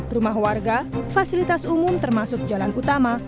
rumah warga fasilitas umum termasuk jalan utama